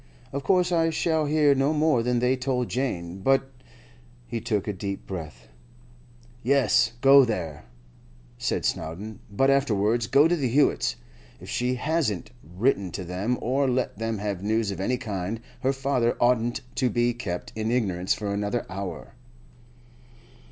Of course I shall hear no more than they told Jane; but—' He took a deep breath. 'Yes, go there,' said Snowdon; 'but afterwards go to the Hewetts'. If she hasn't written to them, or let them have news of any kind, her father oughtn't to be kept in ignorance for another hour.